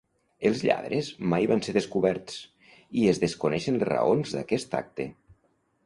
Els lladres mai van ser descoberts, i es desconeixen les raons d'aquest acte.